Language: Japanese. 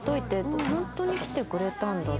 「本当に来てくれたんだ」